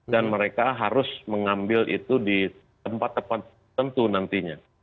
dan mereka harus mengambil itu di tempat tempat tentu nantinya